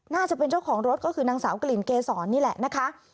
น่าจะเป็นเจ้าของรถก็คือนางสาวกลิ่นเกษรนี่แหละนะคะ